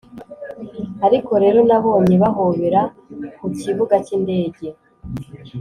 ariko rero nabonye bahobera ku kibuga cy'indege.